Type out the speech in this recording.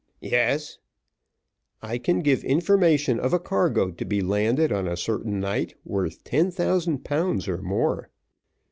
"Yes." "I can give information of a cargo to be landed on a certain night worth ten thousand pounds or more."